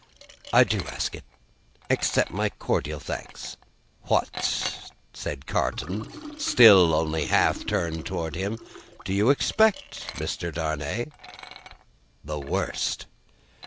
"I do ask it. Accept my cordial thanks." "What," said Carton, still only half turned towards him, "do you expect, Mr. Darnay?" "The worst."